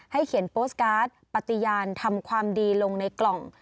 เขียนโปสตการ์ดปฏิญาณทำความดีลงในกล่อง